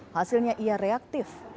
hasilnya ia reaktif